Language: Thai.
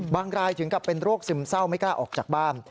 รายถึงกับเป็นโรคซึมเศร้าไม่กล้าออกจากบ้าน